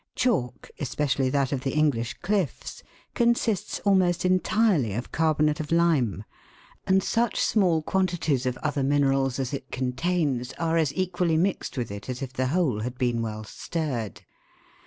Chalk, especially that of the English cliffs, consists almost entirely of carbonate of lime, and such small quan tities of other minerals as it contains are as equally mixed with it as if the whole had been well stirred.